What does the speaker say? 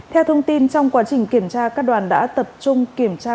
theo thông tin trong quá trình kiểm tra các đoàn đã tập trung kiểm tra